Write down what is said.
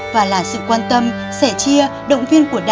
và là sự quan tâm sẻ chia động viên của đại dịch